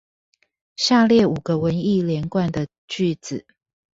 下列五個文意連貫的句子